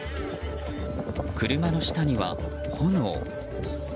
車の下には炎。